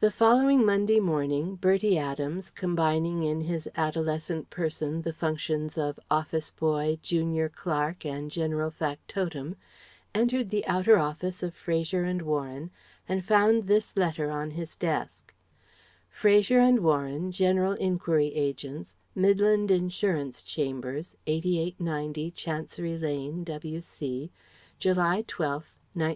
The following Monday morning, Bertie Adams, combining in his adolescent person the functions of office boy, junior clerk, and general factotum, entered the outer office of Fraser and Warren and found this letter on his desk: Fraser and Warren Midland Insurance Chambers, General Inquiry Agents 88 90, Chancery Lane, W.C. July 12, 1901.